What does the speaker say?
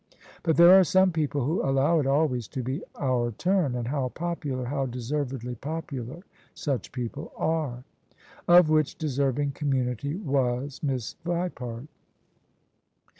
But there are some people who allow it always to be our turn: and how popular — ^how deservedly popular such people are! Of which deserving community was Miss Vipart.